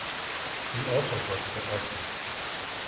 He also worked for Arte.